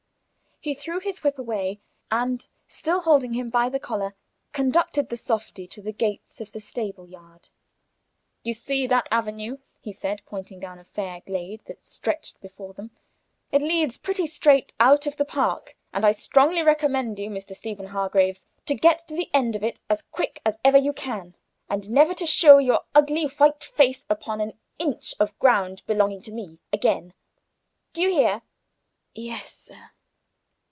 He threw his whip away, and, still holding him by the collar, conducted the softy to the gates of the stable yard. "You see that avenue," he said, pointing down a fair glade that stretched before them, "it leads pretty straight out of the park, and I strongly recommend you, Mr. Stephen Hargraves, to get to the end of it as quick as ever you can, and never to show your ugly white face upon an inch of ground belonging to me again. D'ye hear?" "E es, sir."